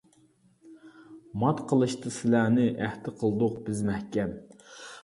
مات قىلىشتا سىلەرنى، ئەھدى قىلدۇق بىز مەھكەم.